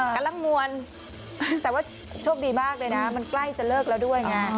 กำลังมวลแต่ว่าโชคดีมากเลยนะมันใกล้จะเลิกแล้วด้วยไง